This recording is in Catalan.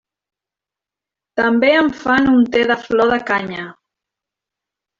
També en fan un te de flor de canya.